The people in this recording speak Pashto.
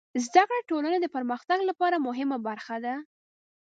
زدهکړه د ټولنې د پرمختګ لپاره مهمه برخه ده.